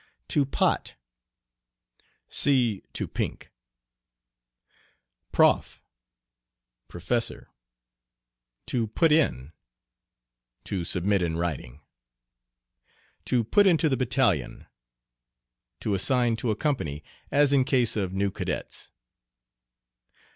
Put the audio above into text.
"To pot." "To pink," which see. "Prof." Professor. "To put in." To submit in writing. "To put into the battalion." To assign to a company, as in case of new cadets.